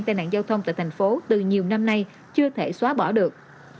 tai nạn giao thông tại thành phố từ nhiều năm nay chưa thể xóa bỏ được